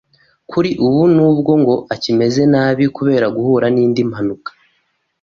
Kuri ubu nubwo ngo akimeze nabi kubera guhura n’indi mpanuka